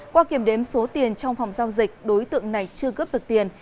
qua kiểm đếm số tiền trong phòng giao dịch đối tượng này chưa cướp được tiền